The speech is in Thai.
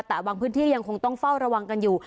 แต่บางพื้นที่ยังคงต้องเฝ้าระวังกันอยู่